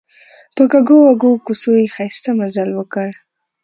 په کږو وږو کوڅو یې ښایسته مزل وکړ.